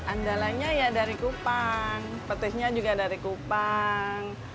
andalanya ya dari kupang petisnya juga dari kupang